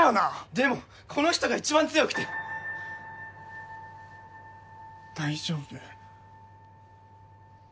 ・でもこの人が一番強くて大丈夫？